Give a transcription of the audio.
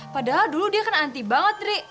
padahal dulu dia kan anti banget tri